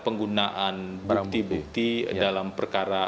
penggunaan bukti bukti dalam perkara